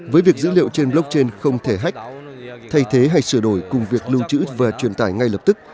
với việc dữ liệu trên blockchain không thể hách thay thế hay sửa đổi cùng việc lưu trữ và truyền tải ngay lập tức